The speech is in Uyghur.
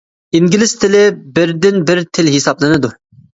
ئىنگلىز تىلى بىردىن بىر تىل ھېسابلىنىدۇ.